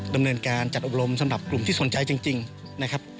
ดำเนินการจัดอบรมสำหรับกลุ่มที่สนใจจริงนะครับ